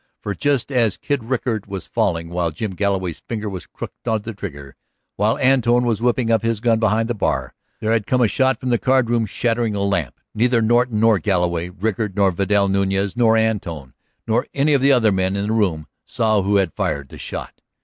For, just as Kid Ricard was falling, while Jim Galloway's finger was crooked to the trigger, while Antone was whipping up his gun behind the bar, there had come a shot from the card room door shattering the lamp. Neither Norton nor Galloway, Rickard nor Vidal Nuñez, nor Antone nor any of the other men in the room saw who had fired the shot.